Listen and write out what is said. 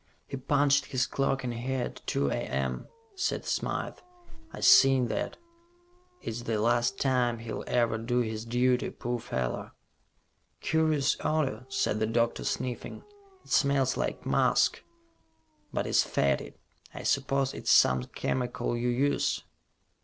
"He punched his clock in here at two A.M.," said Smythe. "I seen that. It's the last time he'll ever do his duty, poor feller." "Curious odor," said the doctor, sniffing. "It smells like musk, but is fetid. I suppose it's some chemical you use."